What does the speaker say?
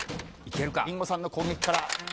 リンゴさんの攻撃から。